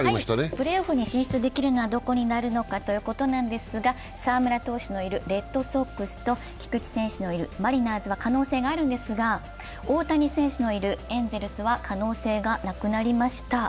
プレーオフに進出できるのはどこになるかということですが、澤村投手のいるレッドソックスと菊池選手のいるマリナーズと大谷選手のいるエンゼルスは可能性がなくなりました。